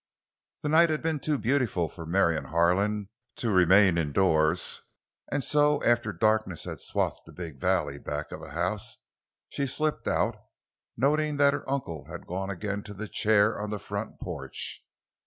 The night had been too beautiful for Marion Harlan to remain indoors, and so, after darkness had swathed the big valley back of the house, she had slipped out, noting that her uncle had gone again to the chair on the front porch.